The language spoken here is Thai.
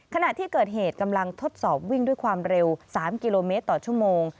ขณะที่เกิดเหตุกำลังทดสอบวิ่งด้วยความเร็ว๓กิโลเมตรต่อชั่วโมง